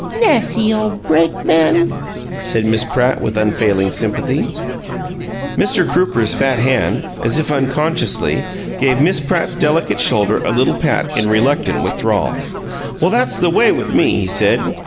"Nassy ole brateman!" said Miss Pratt, with unfailing sympathy. Mr. Crooper's fat hand, as if unconsciously, gave Miss Pratt's delicate shoulder a little pat in reluctant withdrawal. "Well, that's the way with me," he said.